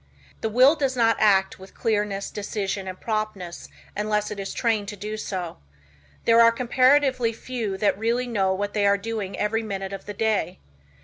The will does not act with clearness, decision and promptness unless it is trained to do so. There are comparatively few that really know what they are doing every minute of the day.